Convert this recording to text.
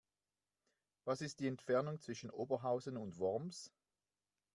Was ist die Entfernung zwischen Oberhausen und Worms?